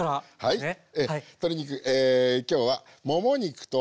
はい。